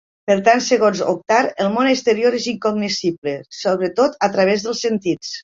Per tant, segons Oktar, el món exterior és incognoscible, sobretot a través dels sentits.